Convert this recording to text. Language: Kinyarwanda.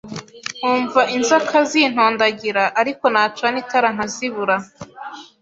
nkumva inzoka zintondagira ariko nacana itar nkazibura,